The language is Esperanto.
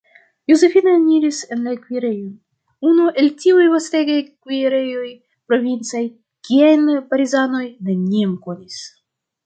Josefino eniris en la kuirejon, unu el tiuj vastegaj kuirejoj provincaj, kiajn Parizanoj neniam konis.